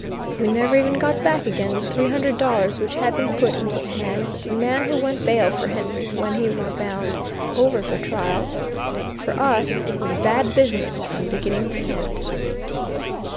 We never even got back again the three hundred dollars which had been put into the hands of the man who went bail for Henry when he was bound over for trial. For us, it was bad business from beginning to end.